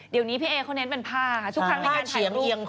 เดี๋ยวนี้พี่เอเขาเน้นเป็นผ้าทุกครั้งในการถ่ายรูปผ้าเฉียงเอียงคอ